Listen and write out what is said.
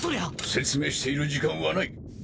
説明している時間はない。